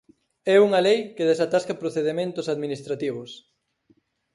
É unha lei que desatasca procedementos administrativos.